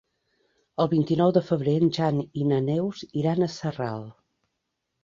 El vint-i-nou de febrer en Jan i na Neus iran a Sarral.